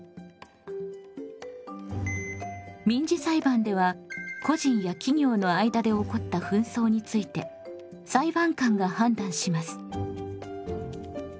民事裁判では個人や企業の間で起こった紛争について裁判官が判断します。